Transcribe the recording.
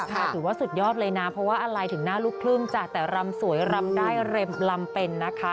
ถือว่าสุดยอดเลยนะเพราะว่าอะไรถึงหน้าลูกครึ่งจ้ะแต่รำสวยรำได้ลำเป็นนะคะ